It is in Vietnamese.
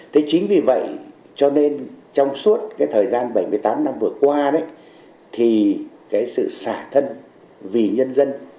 thế chính vì vậy cho nên trong suốt cái thời gian bảy mươi tám năm vừa qua đấy thì cái sự xả thân vì nhân dân